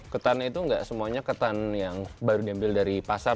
ketan itu enggak semuanya ketan yang baru diambil dari pasar